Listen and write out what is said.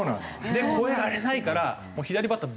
でも越えられないからもう左バッター